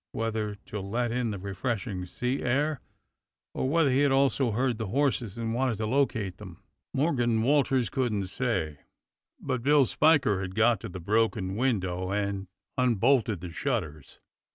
Whether to let in the re freshing sea sir, or whether he had also heard the horses and wanted to locate them, Morgan Walters couldn't say, but Bill Spiker had got to the broken window and unbolted the shutters.